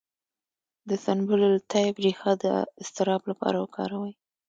د سنبل الطیب ریښه د اضطراب لپاره وکاروئ